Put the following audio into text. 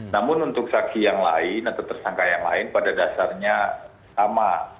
namun untuk saksi yang lain atau tersangka yang lain pada dasarnya sama